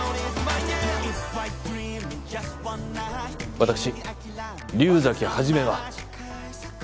私竜崎始は。